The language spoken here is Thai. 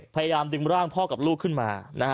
พยายามดึงร่างขึ้นมา